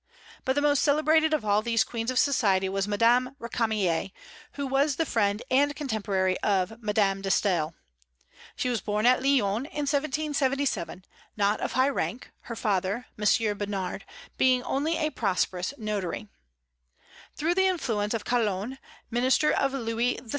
But the most celebrated of all these queens of society was Madame Récamier, who was the friend and contemporary of Madame de Staël. She was born at Lyons, in 1777, not of high rank, her father, M. Bernard, being only a prosperous notary. Through the influence of Calonne, minister of Louis XVI.